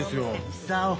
久男。